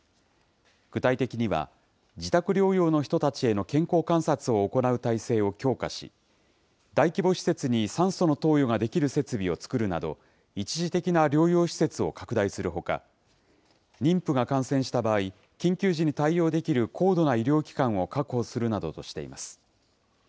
具体的には、自宅療養の人たちへの健康観察を行う体制を強化し、大規模施設に酸素の投与ができる設備を作るなど、一時的な療養施設を拡大するほか、妊婦が感染した場合、緊急時に対応できる高度な医療機関を確保するなどとしています。